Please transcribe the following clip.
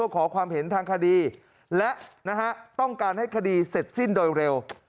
ขอความเห็นทางคดีและต้องการให้คดีเสร็จสิ้นโดยเร็ว